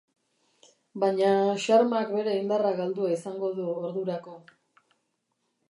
Baina xarmak bere indarra galdua izango du ordurako.